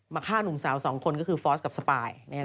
ฆ่าหนุ่มสาว๒คนก็คือฟอสกับสปาย